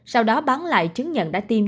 sau đó bán lại chứng nhận đã tiêm